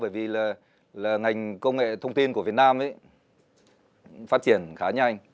bởi vì là ngành công nghệ thông tin của việt nam phát triển khá nhanh